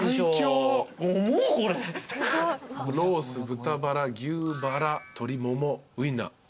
ロース豚バラ牛バラ鶏ももウインナー。